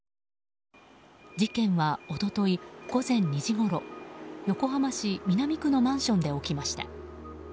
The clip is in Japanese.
事件は一昨日午前２時ごろ横浜市南区のマンションで起きました。